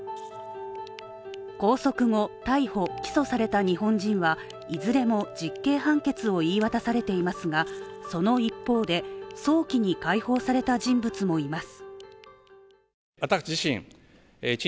拘束後、逮捕・起訴された日本人はいずれも実刑判決を言い渡されていますがその一方で、早期に解放された人物もいます。